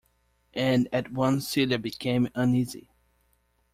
And at once Celia became uneasy.